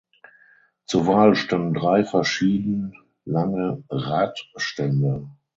Zur Wahl standen drei verschieden lange Radstände.